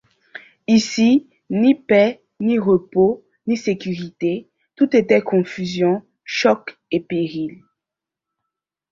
Ici, ni paix, ni repos, ni sécurité, tout était confusion, choc et péril.